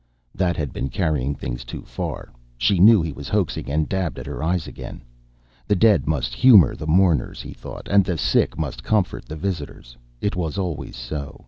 That had been carrying things too far. She knew he was hoaxing, and dabbed at her eyes again. The dead must humor the mourners, he thought, and the sick must comfort the visitors. It was always so.